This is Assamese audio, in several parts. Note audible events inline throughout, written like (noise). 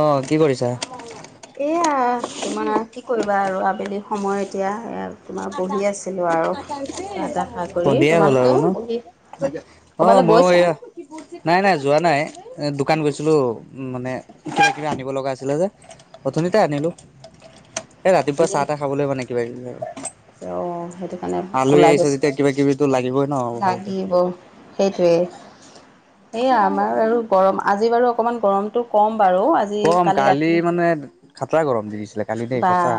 অ কি কৰিছা? এইয়া তোমাৰ কি কৰিবা আৰু আবেলি সময় এতিয়া - তোমাৰ বহি আছিলোঁ আৰু চাহ-তাহ খাই কৰি সন্ধিয়াই হ'ল আৰু তোমালোকেও ন বহি অ ক'বালৈ মই গৈছা এয়া, নাই-নাই যোৱা নাই। এ দোকান গৈছিলো মানে কিবা-কিবি আনিব লগা আছিলে যে, অথনিতে আনিলো। (inaudible) এই ৰাতিপুৱা চাহ-তাহ খাবলৈ মানে কিবা-কিবি আৰু। অ সেইটো কাৰণে আলহী ওলাই আহিছে যেতিয়া কিবা কিবিতো লাগিবই ন গৈছিলা ভালকে লাগিব। সেইটোৱেই এইয়া আমাৰ আৰু গৰম আজি বাৰু অকণমান গৰমটো ক'ম বাৰু আজি, কম কালি ৰাতি মানে খাতৰা গৰম দি দিছিলে কালি দেই বা সঁচা।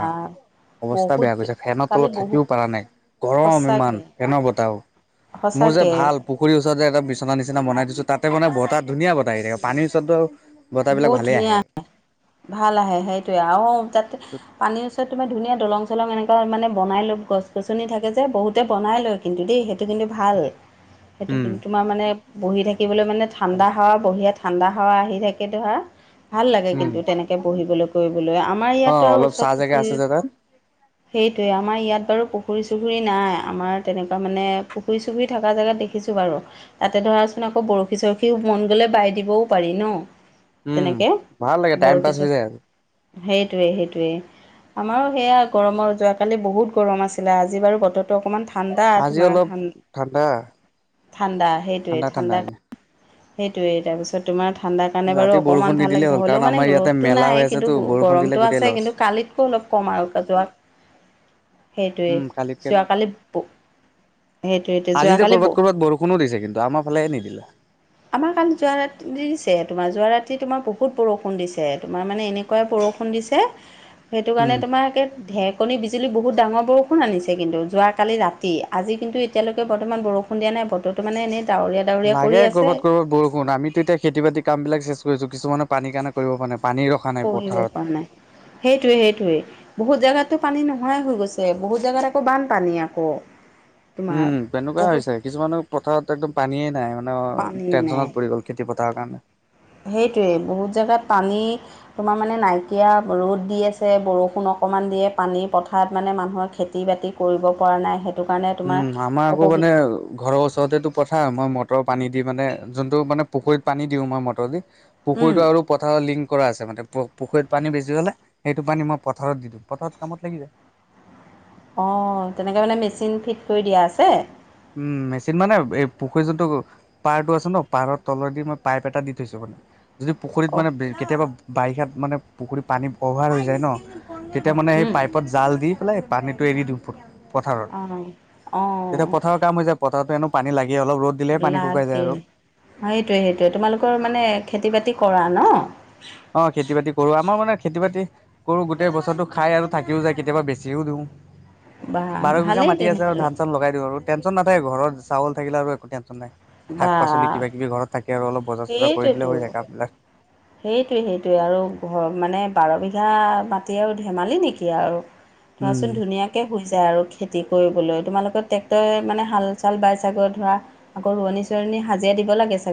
অৱস্থা বহুত বেয়া গৈছে ফেনৰ কালি তলত বহুত থাকিও পৰা নাই, গৰম সঁচাকে ইমান ফেনৰ বতাহ‌ও। মোৰ যে সঁচাকে ভাল পু - পুখুৰীৰ ওচৰতে এটা বিচনা নিচনা বনাই দিছো তাতে মানে বতাহ ধুনীয়া বতাহ আহে পানীৰ ওচৰত ত '- বহুত ধুনীয়া আহে, ভাল আহে সেইটোৱেই আও। যাতে পানীৰ ওচৰত তোমাৰ ধুনীয়া দলং - দলং-চলং এনেকুৱা মানে বনাই লৈ গছ-গছনি থাকে যে বহুতে বনাই লয় কিন্তু দেই সেইটো কিন্তু ভাল। সেইটো উম তোমাৰ মানে বহি থাকিবলে মানে ঠাণ্ডা হাৱা বঢিয়া ঠাণ্ডা হাৱা আহি থাক- কিটো হা - ভাল লাগে কিন্তু তেনেকৈ বহিবলৈ কৰিবলৈ আমাৰ অ ইয়াতো আৰু অলপ চাহ ওচৰত জেগা পুখুৰী আছে যে তাত সেইটোৱেই আমাৰ ইয়াত বাৰু পুখুৰী-চুখুৰী নাই আমাৰ তেনেকুৱা মানে পুখুৰী-চুখুৰি থকা জেগাত দেখিছোঁ বাৰু। তাতে ধৰাচোন আকৌ বৰশী-চৰশী মন গ'লে বাই দিবও পাৰি ন। উম তেনেকে ভাল লাগে টাইম বৰশী পাছ হৈ যায় আৰু চখ সেইটোৱে সেইটোৱে। আমাৰো সেয়া গৰমৰ যোৱাকালি বহুত গৰম আছিলে আজি বাৰু বত- টো অকণমান ঠাণ্ডা আজি তোমাৰ অলপ ঠান- ঠাণ্ডা ঠাণ্ডা সেইটোৱে ঠাণ্ডা সেইটোৱে তাৰপিছত তোমাৰ ঠাণ্ডা- কাৰণে বাৰু ৰাতি বৰষুণ অকণমান ভাল নিদিলেই লাগিছে হ'ল কাৰণ হ'লেও মানে আমাৰ ইয়াতে ৰ'দটো মেলা হৈ নাই কিন্তু আছেতো বৰষুণ দিলে গৰমটো গোটেই আছে লছ কিন্তু কালিত- অলপ কম আৰু কাজোৱ- সেইটোৱে উম কালিতকে যোৱাকালি পৌ সেইটোৱেই যোৱাকালি পৌ- বখুনো দিছে কিন্তু আমাৰ ফালে হে নিদিলে। আমাৰ কালি যোৱা ৰাতি দিছে তোমাৰ যোৱা ৰাতি তোমাৰ বহুত বৰষুণ দিছে, তোমাৰ মানে এনেকুৱাই বৰষুণ দিছে। সেইটো কাৰণে উম তোমাৰ একে ঢেক- কণী বিজুলী বহুত ডাঙৰ বৰষুণ আনিছে কিন্তু যোৱাকালি ৰাতি আজি কিন্তু এতিয়ালৈকে বৰ্তমান বৰষুণ- সুধিয়া নাই বতৰ টো মানে এনে ডাৱৰীয়া- ডাৱৰীয়া কৰি লাগে আছে গগত। বৰষুণ আমিতো এতিয়া খেতি বাতি কাম বিলাক চেছ কৰিছো, কিছুমানে পানীৰ কাৰণে কৰিব পৰা নাই পানীৰ ৰখ- পঢ়িব পৰা নাই সেইটোৱে সেইটোৱে। বহুত জোগাততো পানী নোহোৱাই হৈ গৈছে, বহুত জোগাত আকৌ বানপানী আকৌ। তোমাৰ উম তেনেকুৱাই বহুত হৈছে কিছুমানৰ পথাৰত একদম পানীয়েই নাই মানে পানী টেনচনত পৰি গ'ল। খেতি পতাৰ কামে সেইটোৱে বহুত জাগাত পানী তোমাৰ মানে নাইকিয়া ৰ'দ দি আছে বৰষুণ অকমান দিয়ে পানী পথাৰত মানে মানুহৰ খেতি- বাতি কৰিব পৰা নাই সেই উম, হা আমাৰ আকৌ মানে ঘৰৰ উচৰেটো ৰেতে তোক কথা মই মটৰ পানী দি মানে যোনটো মানে পুখুৰীত পানী দিওঁ মই মটৰ দি উম, পুখুৰীটো আৰু পথাৰত লিংক কৰা আছে মানে পুখুৰীত পানী বেছি হ'লে সেইটো পানী মই পথাৰত দিওঁ পথাৰত কামত লাগি যায়। অ, তেনেকে মানে মেচিন ফিট কৰি দিয়া আছে? উম, মেচিন মানে এই পুখুৰী যোনটো পাৰটো আছে ন' পাৰৰ তলই দি মই পাইপ এটা দি থৈছো মানে। যদি পুখুৰীত অঁ মানে কেতিয়াবা বাৰিষাত মানে পুখুৰী পানী অভাৰ হৈ যায় ন তেতিয়া মানে এই পাইপত জাল দি পেলাই পানীটো এৰি দিওঁ পথাৰত। অ', অ', তেতিয়া পথাৰৰ কাম হৈ যায় পথাৰত টো এনেও পানী লাগেই অলপ ৰ'দ দিলে পানীু শুকাই যায় আৰু। অ, এইটোৱে -সেইটোৱে তোমালোকৰ মানে খেতি - বাতি কৰা ন? অ, খেতি-বাতি কৰো আমাৰ মানে খেতি- বাতি কৰো গোটেই বছৰটো খাই আৰু থাকিও যায় কেতিয়াবা বেছিয় ডো। বা বাৰ বিঘা ভালেই মাটি আছে আৰু তেনেহ'লে ধান- চান লগাই দিওঁ আৰু। টেনচন নাথাকে ঘৰত চাউল থাকিলে আৰু একো টেনচন নাই বা শাক -পাচলি কিবা -কিবি ঘৰত থাকে আৰু অলপ। বজাৰ- চজাৰ কৰি দিলে হৈ সেইটোৱেতো যায় কামবিলাক। সেইটোৱে -সেইটোৱে আৰু ঘৰ মানে বাৰ বিঘা মাটি আৰু ধেমালি নেকি আৰু উম ধৰাচোন ধুনীয়া কে হৈ যায় আৰু খেতি কৰিবলৈ তোমালোকৰ ট্ৰেক্টৰেৰে মানে হাল চাল বাই চাগৈ ধৰা আকৌ ৰোৱনী চোৱণী হাজিৰা দিব লাগিছে।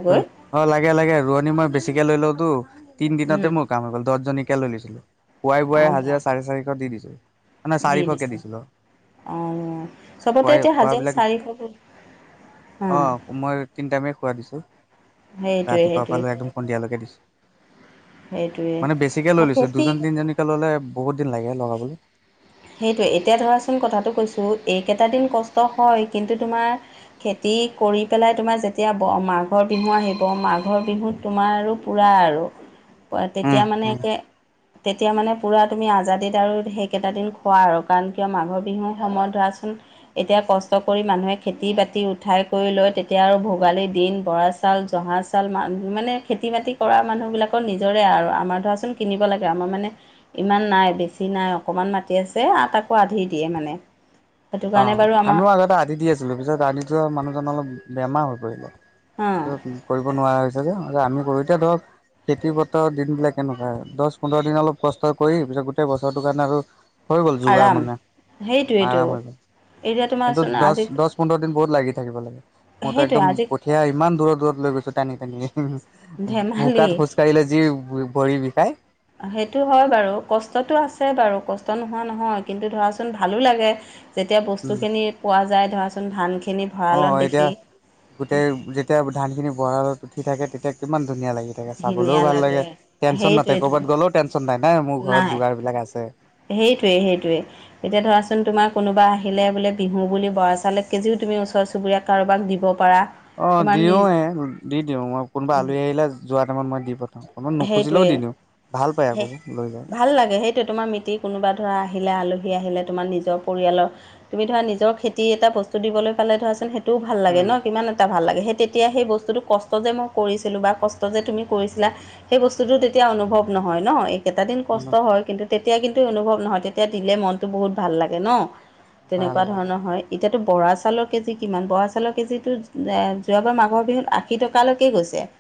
অ, লাগে -লাগে ৰোৱনী মই বেছিকে লৈ লওঁ তো তিন দিনতে উম, মোক কাম হৈ গ'ল দছজনী কে লৈ লৈছিলোঁ নিছিলি খুৱাই বোৱাই অঁ বা হাজিৰা চাৰে চাৰিশ দি দিছোঁ। দি দিছো অ, চবতে খুৱাই এতিয়া হাঁজিৰা খোৱাবিলাক চাৰিশ কে অ, মই তিন টাইমেই খোৱা দিছে। সেইটোৱে ৰাতিপুৱা পা সেইটোৱে লৈ একদম সন্ধিয়ালৈকে দিছে। মানে বেছিকে লৈ সেইটোৱে লৈছো দুজন খেতি তিনজনীকে ল'লে বহুত দিন লাগে লগাবলে। সেইটোৱে এতিয়া ধৰাচোন কথাটো কৈছোঁ এইকেইটা দিন কষ্ট হয় কিন্তু তোমাৰ খেতি কৰি পেলাই তোমাৰ যেতিয়া মাঘৰ বিহু আহিব মাঘৰ বিহুত তোমাৰ আৰু পুৰা আৰু পোৱা উম তেতিয়া মানে উম একে তেতিয়া মানে পুৰা তুমি আজাদিত আৰু সেইকেইটা দিন খোৱা আৰু কাৰণ কিয় মাঘৰ বিহু সময়ত ধৰাচোন এতিয়া কষ্ট কৰি মানুহে খেতি- বাতি উঠাই কৰি লয় তেতিয়া আৰু ভোগালীৰ দিন বৰাচ চাউল জহা চাউল মান -মানে খেতি বাতি কৰা মানুহবিলাকৰ নিজৰে আৰু আমাৰ ধৰাচোন কিনিব লাগে আমাৰ মানে ইমান নাই বেছি নাই অকণমান মাতি আছে আ তাক অ, বাৰু আমাৰ আমিও আগতে আদি দি আছিলোঁ পিছত আদি জ মানুহজন অলপ বেমাৰ হৈ পৰিলে (unintelligible) কৰিব নোৱাৰা হৈছে যে অ, আমি কৰো এতিয়া ধৰক খেতি পথাৰৰ দিনবিলাক কেনেকুৱা হয় দছ পোন্ধৰ দিন অলপ কষ্ট কৰি পিছত গোটেই বছৰটোৰ কাৰণে আৰু হৈ গ'ল যোগাৰ আৰাম মানে সেইটোৱেইটো আৰাম হৈ গল। এতিয়া কিন্তু তোমাৰচোন আজি দছ- দছ পোন্ধৰ দিন বহুত লাগি থাকিব লাগে মইতো সেইটোৱে একদম আজি সেয়া ইমান দূৰত -দূৰত লৈ গৈছো টানি -টানি ধেমালি বোকাত খোজ কাৰিলে যি ভৰি বিষায় সেইটো হয় বাৰু কষ্টটো আছে বাৰু কষ্ট নোহোৱা নহয় কিন্তু ধৰাচোন ভালো লাগে যেতিয়া বস্তুখিনি পোৱা যায় ধৰাচোন ধানখিনি অ, ভঁৰালত এতিয়া দেখি গোটেই যেতিয়া ধানখিনি ভঁৰালত উঠি থাকে তেতিয়া কিমান ধুনীয়া লাগে তাকে চাবলৈও ভাল লাগে তেঞ্চন নাথাকে সেইটোৱেইটো কবাত গ'লেও টেনচন নাই-নাই মোৰ ঘৰত নাই যোগাৰ বিলাক আছে। সেইটোৱে সেইটোৱে এতিয়া ধৰাচোন তোমাৰ কোনোবা আহিলে বোলে বিহু বুলি বৰা চাউল এক কেজিও তুমি ওচৰ চুবুৰীয়াক কাৰোবাক দিব পাৰা। অ তোমাৰ নিজ দিওঁৱে দি দিওঁ মই কোনোবা আলহী আহিলে যোৱা টাইমত মই দি পথাও অকণ নুখুজিলেও সেইটোৱে দি দিওঁ ভাল পাই আকৌ সেই লৈ যায় ভাল লাগে সেই টো তোমাৰ মিতিৰ কোনোবা ধৰা আহিলে আলহী আহিলে তোমাৰ নিজৰ পৰিয়ালৰ তুমি ধৰা নিজৰ খেতি এটা বস্তু দিবলৈ পালে ধৰাচোন সেইটোও ভাল লাগে উম ন কিমান এটা ভাল লাগে সেই তে তিয়া সেই বস্তুটো কষ্ট যে মই কৰিছিলোঁ বা কষ্ট যে তুমি কৰিছিলা সেই বস্তুটো তেতিয়া অনুভৱ নহয় ন এইকেইটা দিন কষ্ট মনত হয় কিন্তু তেতিয়া কিন্তু অনুভৱ নহয় তেতিয়া দিলে মনটো বহুত ভাল লাগে ন ভাল তেনেকুৱা লাগে ধৰণৰ হয়। এতিয়াতো বৰা চাউলৰ কেজি কিমান বৰা চাউলৰ কেজিটো যোৱাবাৰ মাঘৰ বিহুত আশী টকালৈকে গৈছে (unintelligible)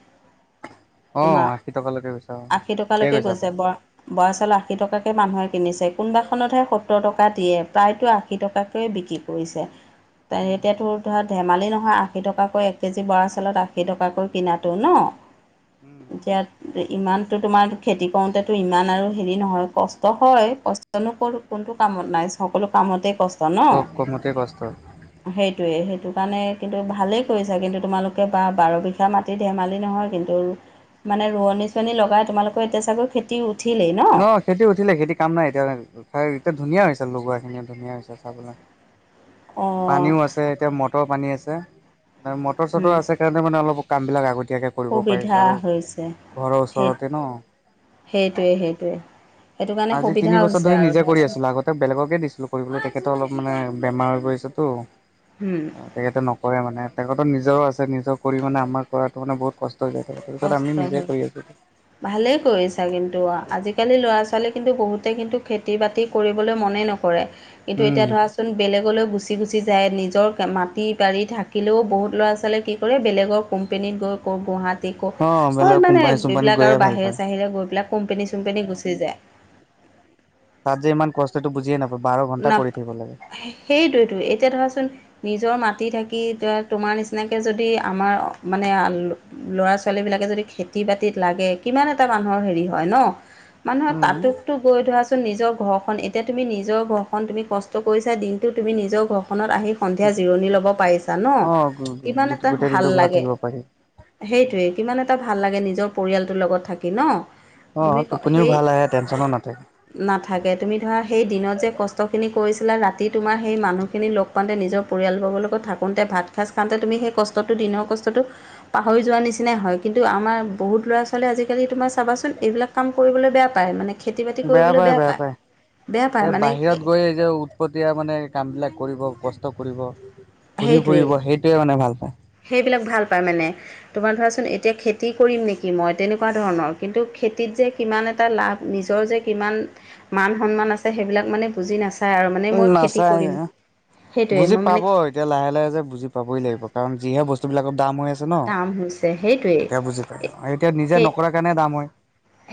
অ তোমাৰ আশী টকালৈকে গৈছে আশী টকালৈকে গৈছে বৰ বৰা চাউল আশী টকাকে মানুহে কিনিছে কোনোবাখনতহে সত্তৰ টকা দিয়ে প্ৰায়তো আশী টকাত বিক্ৰী কৰিছে উম এতিয়াতো ধৰা ধেমালি নহয় আশী টকাকৈ এক কেজি বৰা চাউলত আশী টকাকৈ কিনাতো ন উম এতিয়া ইমানতো তোমাৰ খেতি কৰোতেটো ইমান আৰু হেৰি নহয় কষ্ট হয়, কষ্ট নো কোনটো কামত নাই সকলো কামতেই কষ্ট ন চব কমতে কষ্ট সেইটোয়ে সেইটো কাৰণে কিন্তু ভালেই কৰিছা কিন্তু তোমালোকে বা বাৰ বিঘা মাট ধেমালি নহয় কিন্তু আৰু মানে ৰোৱনী চোৱনী লগাই তোমালোকৰ এতিয়া চাগৈ খেতি উঠিলেই ন? খেতি উঠিলে খেতি কাম নাই এতিয়া এতিয়া ধুনীয়া হৈছে লগোৱাখিনি ধুনীয়া হৈছে চাবলে। অঁ পানীও আছে এতিয়া মটৰ পানী আছে মানে মটৰ উম, চটৰ আছে কাৰণে মানে অলপ কামবিলাক আগতীয়াকে কৰিব সুবিধা পাৰিছোঁ আৰু হৈছে ঘৰৰ সেই ওচৰতে ন সেইটোৱে সেইটোৱে সেইটো কাৰণে আজি সুবিধা তিনি বছৰ হৈছে ধৰি আৰু নিজে কৰি ধৰাচোন আছিলো আগত তে বেলেগকে দিছিলোঁ কৰিবলৈ তেখেতৰ অলপ মানে বেমাৰ হৈ গৈছেটো হো তেখেতে নকৰে মানে তেখেতৰ নিজৰো আছে নিজৰ কৰি মানে আমাৰ কৰাটো মানে বহুত কষ্ট ত যাকে তাকে তাত কষ্ট আমি নিজে হয় কৰি আছো ভালেই কৰিছা কিন্তু আজিকালি ল'ৰা ছোৱালীয়ে কিন্তু বহুতে কিন্তু খেতি বাতি কৰিবলৈ মনেই নক কৰে কিন্তু উম, এতিয়া ধৰা চোন বেলেগলৈ গুচি গুচি যায় নিজৰ মাটি বাৰী থাকিলেও বহুত ল'ৰা ছোৱালীয়ে কি কৰে বেলেগক কোম্পেনীত গৈ ক' গুৱাহাটী ক' অ' ক'ত বেলেগ মানে কোম্পানী চোম্পানীত এইবিলাক গৈয়ে আৰু ভাল বাহিৰে পায়। চাহিৰে গৈ পেলাই কোম্পেনী চোম্পেনী গুচি যায় তাত যে ইমান কষ্টটো বুজিয়ে নাপা নাপ সেইটোয়তো এতিয়া ধৰাচোন নিজৰ মাটি থাকি তোমাৰ নিচিনাকে যদি আমাৰ মানে আ ল'ৰা ছোৱালী বিলাকে যদি খেতি বাতিত লাগে কিমান এটা মানুহৰ হেৰি হয় ন মানুহৰ উম, তাতোকতো গৈ ধৰাচোন নিজৰ ঘৰখন এতিয়া তুমি নিজৰ ঘৰ খন তুমি কষ্ট কৰিছা দিনটো তুমি নিজৰ ঘৰখনত আহি সন্ধিয়া জিৰণি ল'ব পাৰিছা ন অ' কিমান এটা গোটেই দিনটো ভাল ঘৰত লাগে থাকিব পাৰি। সেইটোৱে কিমান এটা ভাল লাগে নিজৰ পৰিয়ালটোৰ লগত থাকি ন অ তুমি টোপনিও সেই ভাল আহে টেনশ্যনো নাথাকে। নাথাকে তুমি ধৰা সেই দিনত যে কচ কষ্টখিনি কৰিছিলা ৰাতি তোমাৰ সেই মানুহখিনি লগ পাওঁতে নিজৰ পৰিয়ালবৰ্গৰ লগত থাকোঁতে ভাত সাজ খাওঁতে তুমি সেই কষ্টটো দিনৰ কষ্টটো পাহৰি যোৱাৰ নিচিনাই হয় কিন্তু আমাৰ বহুত ল'ৰা-ছোৱালী আজিকালি তোমাৰ চাবাচোন এইবিলাক কাম কৰিবলৈ বেয়া পায় মানে। খেতি বাতি বেয়া কৰিবলৈ পায়-বেয়া পায় বেয়া পায় এই মানে সেই বাহিৰত গৈ এই যে উপতিয়া মানে কামবিলাক কৰিব কষ্ট কৰিব, সেইটোৱেই ঘূৰি-ফুৰিব সেইটোৱে মানে ভাল পায়। সেইবিলাক ভাল পায় মানে। তোমাৰ ধৰাচোন এতিয়া খেতি কৰিম নেকি মই, তেনেকুৱা ধৰণৰ কিন্তু খেতিত যে কিমান এটা লাভ নিজৰ যে কিমান মান সন্মান আছে, সেইবিলাক মানে বুজি নাছ ছাই আৰু মানে উম মই খেতি নাচায় কৰিম সেইটোয়ে বুজি মই পাব মানে। এতিয়া লাহে-লাহে যে বুজি পাবই লাগিব কাৰণ যিহে বস্তুবিলাকৰ দাম হৈ আছে। ন কাম হৈছে সেইটোৱেই এতিয়া বুজি পাইছো আৰু এতিয়া নিজে সেই নকৰা কাৰণে দাম হয়।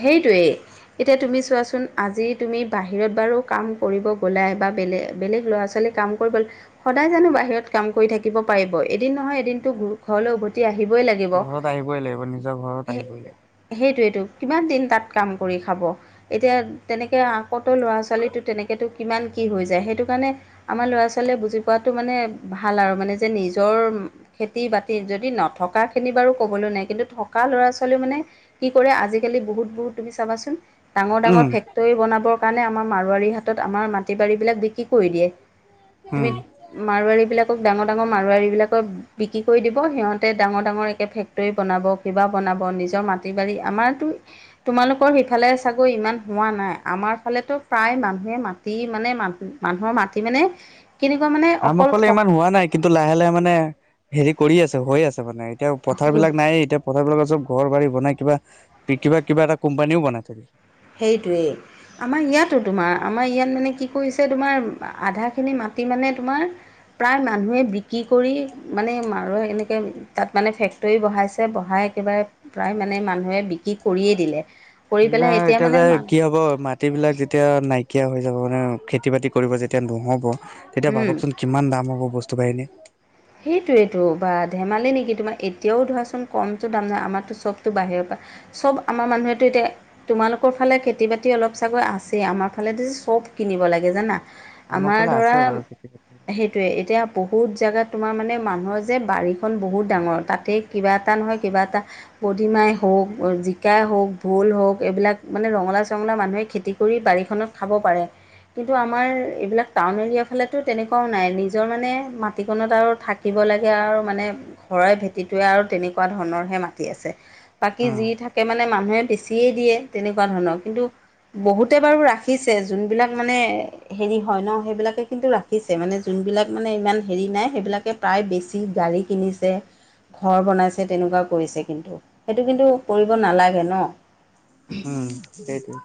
সেইটোৱেই। এতিয়া তুমি চোৱাচোন আজি তুমি বাহিৰত বাৰু কাম কৰিব গ'লাই বা বেলেগ-বেলেগ ল'ৰা-ছোৱালীক কাম কৰিব সদায় জানো বাহিৰত কাম কৰি থাকি থাকিব পাৰিব এদিন নহয় এদিনতো ঘৰলৈ উভতি আহিবই লাগিব। ঘৰত আহিবই লাগিব নিজৰ ঘৰত আহিবই লাগিব সেইটোয়েটো কিমান দিন তাত কাম কৰি খাব? এতিয়া তেনেকে আকতো ল'ৰা-ছোৱালীটো তেনেকেতো কিমান কি হৈ যায় সেইটো কাৰণে আমাৰ ল'ৰা-ছোৱালীয়ে বুজি পোৱাটো মানে ভাল আৰু মানে যে নিজৰ খেতি বাতি যদি নথকা খিনি বাৰু ক'বলৈ নাই, কিন্তু থকা ল'ৰা ছোৱালী মানে কি কৰে আজি আজিকালি বহুত বহুত তুমি চাবাচোন ডাঙৰ-ডাঙৰ উম ফেক তৈ বনাবৰ কাৰণে আমাৰ মাৰোৱাৰীৰ হাতত আমাৰ মাটি বাৰীবিলাক বিক্ৰী কৰি দিয়ে, তুমি উম মাৰোৱাৰী বিলাকক ডাঙৰ-ডাঙৰ মাৰোৱাৰী বিলাকক বিক্ৰী কৰি দিব সিহঁতে ডাঙৰ-ডাঙৰ একে ফেক্টৰী বনাব, কিবা বনাব নিজৰ মাটি বাৰী আমাৰতো তোমালোকৰ সিফালে চাগৈ ইমান হোৱা নাই, আমাৰ ফালেতো প্ৰায় মানুহে মাত দি মানে মান মানুহৰ মাটি মানে কেনেকুৱা মানে আমাৰ অকল ফালে থ ইমান হোৱা নাই কিন্তু লাহে-লাহে মানে হেৰি কৰি আছে হৈ আছে মানে এতিয়া পথাৰ থক বিলাক নায়েই এতিয়া। পথাবিলাকত চব ঘৰ বাৰী বনাই কিবা-কিবা-কিবা এটা কোম্পানীও বনাই থৈছে। সেইটোৱেই। আমাৰ ইয়াতো তোমাৰ আমাৰ ইয়াত মানে কি কৰিছে, তোমাৰ আধাখিনি মাটি মানে তোমাৰ প্ৰায় মানুহে বিক্ৰী কৰি মানে মাৰ্চত এনেকে তাত মানে ফেক্টৰী বহাইছে বহাই একেবাৰে প্ৰায় মানে মানুহে বিক্ৰী কৰিয়ে দিলে। কৰি পেলাই এতিয়া মানে যে কি মান কি হ'ব মাটিবিলাক যেতিয়া নাইকিয়া হৈ যাব, মানে খেতি বাতি কৰিব যেতিয়া নহ'ব। তেতিয়া উম ভাবকচোন কিমান দাম হ'ব বস্তু বাহিনীৰ। সেইটোৱেতো বা ধেমালি নেকি তোমাৰ এতিয়াও ধৰাচোন কমটো দাম নহয়, আমাৰতো চবতটো বাহিৰৰ পৰা চব আমাৰ মানুহেতটো এতিয়া তোমালোকৰ ফালে খেতি বাতি অলপ চাগৈ আছে, আমাৰ ফালে চব কিনিব লাগে জানা। আমাৰ ফালে ধৰা আছে বাৰু খেতি বাতি সেইটোৱে এতিয়া বহুত জোগাত তোমাৰ মানে মানুহৰ যে বাৰীখন বহুত ডাঙৰ, তাতেই কিবা এটা নহয় কিবা এটা বদিমাই হওক জিকা হওক ভোল হওক এইবিলাক মানে ৰঙালাও-চঙালাও মানুহে খেতি কৰি বাৰীখনত খাব পাৰে। কিন্তু আমাৰ এইবিলাক টাউন এৰিয়া ফালেতো তেনেকুৱাও নাই নিজৰ মানে মাটি জীৱত আৰু থাকিব লাগে আৰু মানে ঘৰাই ভেটিটোৱে আৰু তেনেকুৱা ধৰণৰহে মাটি আছে। বাকী উম যি থাকে মানে মানুহে বেছিয়ে দিয়ে, তেনেকুৱা ধৰণৰ কিন্তু বহুতে বাৰু ৰাখিছে, যোনবিলাক মানে হেৰি হয় ন সেইবিলাকে কিন্তু ৰাখ ৰাখিছে মানে যোনবিলাক মানে ইমান হেৰি নাই, সেইবিলাকে প্ৰায় বেছি গাড়ী কিনিছে। ঘৰ বনাইছে তেনেকুৱাও কৰিছে, কিন্তু সেইটো কিন্তু কৰিব নালাগে ন। উম, সেইটোৱে।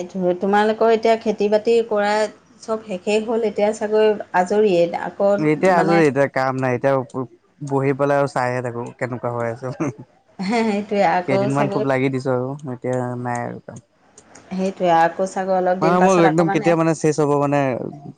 এই ধৰ তোমালোকৰ এতিয়া খেতি-বাতি কৰাৰ চব শেষে হ'ল এতিয়া চাগৈ আজৰিয়ে। আকৌ এতিয়া মানে আজৰি, এতিয়া কাম নাই। এতিয়া বহি পেলাই আৰু চাইহে থাকো কেনেকুৱা হৈ আছে। সেইটোৱে আকৌ কেইদিনমান চাগৈ খুব লাগি দিছো আৰু এতিয়া নাই আৰু কাম। সেইটোয়ে আকৌ চাগে অলপ দিন পাছত আকৌ মানে চব মানে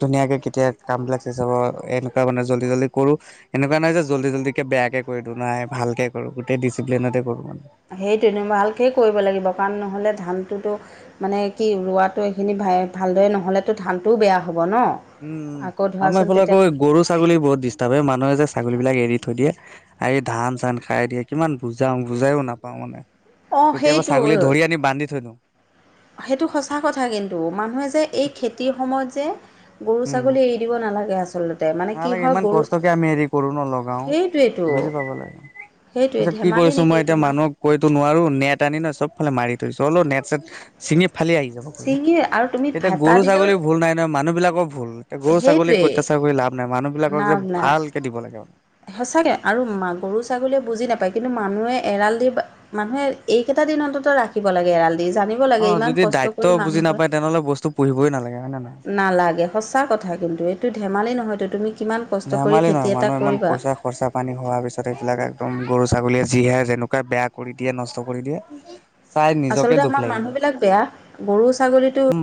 ধুনীয়াকে কেতিয়া কামবিলাক চবৰ এনেকুৱা মানে জল্দি-জল্দি কৰোঁ। এনেকুৱা নাই যে জল্দি-জল্দিকে বেয়াকে কৰি দিওঁ, নাই ভালকে কৰো, গোটেই ডিচিপ্লিনতে কৰো মানে। সেইটোৱেনো ভালকেই কৰিব লাগিব। কাৰণ নহ'লে ধানতোটো মানে কি ৰোৱাটো এইখিনি ভা ভালদৰে নহ'লেতো ধানটোও বেয়া হ'ব ন। উম-উম, আকৌ আমাৰ ধৰাচোন এইফালে তেতিয়া আকৌ এই গৰু, ছাগলী বহুত ডিষ্টাৰ্ব। এ মানুহে যে ছাগলী বিলাক এৰি থৈ দিয়ে। আহি ধান-চান খাই দিয়ে। কিমান বুজাওঁ বুজায়ো নাপাওঁ মানে। অঁ কেতিয়াবা সেইটো ছাগলী ধৰি আনি বান্ধি থৈ দিওঁ। সেইটো সঁচা কথা কিন্তু, মানুহে যে এই খেতিৰ সময়ত যে গৰু, উম, ছাগলী এৰি দিব নালাগে আচলতে। মানে কি নালাগে হয় ইমান গৰু কষ্টকে আমি হেৰি কৰো ন লগাও, সেইটোৱেইটো বুজি পাব লাগে। সেইটোৱে তাৰপিছত কি ধেমালি কৰিছো নেকি মই এতিয়া তোমাৰ মানুহক কৈতো নোৱাৰো, নেট আনি ন চব ফালে মাৰি থৈছো। হলোঁ নেট-চেট ছিঙি ফালি আহি যাব, ছিঙি আৰু তুমি এতিয়া ভেটা গৰু, দিলেও ছাগলী ভুল নাই নহয়, মানুহ বিলাকৰ ভুল। এতিয়া গৰু, ছাগলীক সেইটোৱেই অত্যাচাৰ কৰি লাভ নাই। মানুহবিলাকক যে ভালকে দিব লাগে মানে। সঁচাকে আৰু গৰু, ছাগলীয়ে বুজি নাপায়। কিন্তু মানুহে এৰাল দি মানুহে এইকেইটা দিনটোতো ৰাখিব লাগে এৰাল দি। জানিব লাগে অ', ইমান যদি কষ্ট দায়িত্ব কৰি বুজি মানুহবোৰে নাপায় তেনেহ'লে বস্তু পুহিবই নালাগে হয় নে নহয়। নালাগে। সঁচা কথা কিন্তু এইটো ধেমালি নহয়তো, তুমি কিমান কষ্ট কৰি ধেমালি খেতি নহয় এটাক মানুহ ইমান পইচা খৰচা পানী হোৱাৰ পিছত সেইবিলাক একদম গৰু, ছাগলীয়ে যিহে যেনেকুৱাই বেয়া কৰি দিয়ে, নষ্ট কৰি দিয়ে। চাই আচলতে নিজকে দুখ আমাৰ লাগি মানুহ যায় বিলাক বেয়া। গৰু ছাগলীটো